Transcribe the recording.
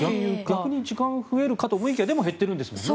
逆に時間が増えるかと思いきや減ってるんですもんね。